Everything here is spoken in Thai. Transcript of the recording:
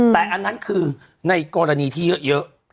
แต่อันนั้นคือในกรณีที่เยอะ